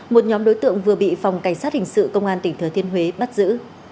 một nhóm đối tượng vừa bị phòng cảnh sát hình sự công an tỉnh thừa thiên huế bắt giữ